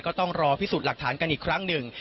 ก็ต้องรอพิสูจน์หลักฐานกันอีกครั้งหนึ่ง